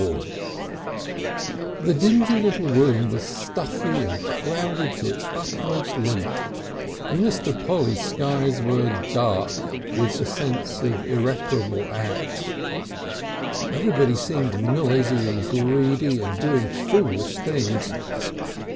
VII The dingy little room was stuffy and crowded to its utmost limit, and Mr. Polly's skies were dark with the sense of irreparable acts. Everybody seemed noisy and greedy and doing foolish things.